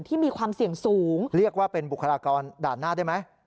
มีความเสี่ยงสูงเรียกว่าเป็นบุคลากรด่านหน้าได้ไหม